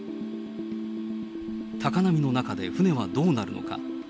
高波の中で船はどうなるのか。